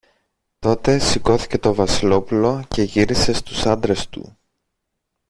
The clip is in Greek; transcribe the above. Τότε σηκώθηκε το Βασιλόπουλο και γύρισε στους άντρες του.